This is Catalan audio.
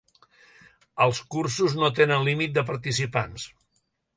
Els cursos no tenen límit de participants.